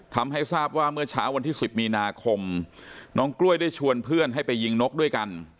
ทำให้ทราบว่าเมื่อเช้าวันที่๑๐มีนาคมน้องกล้วยได้ชวนเพื่อนให้ไปยิงนกด้วยกัน